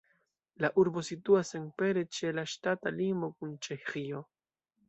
La urbo situas senpere ĉe la ŝtata limo kun Ĉeĥio.